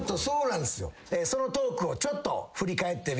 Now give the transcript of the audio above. そのトークをちょっと振り返ってみましょう。